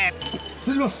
失礼します！